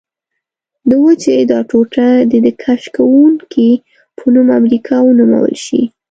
د وچې دا ټوټه دې د کشف کوونکي په نوم امریکا ونومول شي.